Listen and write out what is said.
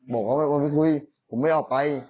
บอกเขาไม่ได้คุยผมไม่ได้ออกไป